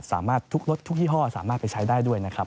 ทุกรถทุกยี่ห้อสามารถไปใช้ได้ด้วยนะครับ